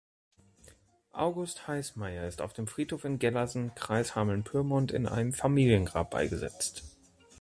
August Heißmeyer ist auf dem Friedhof in Gellersen, Kreis Hameln-Pyrmont in einem Familiengrab beigesetzt.